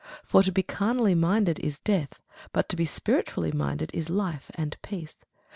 For to be carnally minded is death; but to be spiritually minded is life and peace.